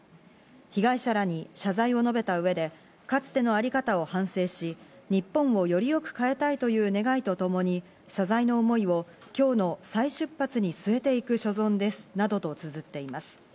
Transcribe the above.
被害者らに謝罪を述べた上でかつてのあり方を反省し、日本をよりよく変えたいという願いとともに、謝罪の思いを今日の再出発に据えていく所存ですなどとつづっています。